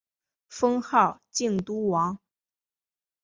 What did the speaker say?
封号靖都王。